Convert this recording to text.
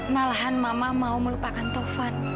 malahan mama mau melupakan tovan